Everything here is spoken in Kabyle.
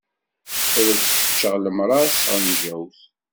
Ad ak-seččeɣ lemṛaṛ s tɣenjawt.